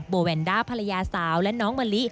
โบแวนด้าภรรยาสาวและน้องมะลิ